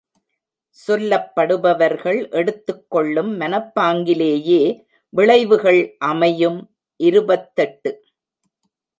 சொல்லப்படுபவர்கள் எடுத்துக் கொள்ளும் மனப்பாங்கிலேயே விளைவுகள் அமையும் · இருபத்தெட்டு.